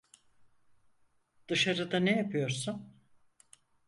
Dışarıda ne yapıyorsun?